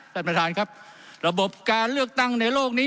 ท่านประธานครับระบบการเลือกตั้งในโลกนี้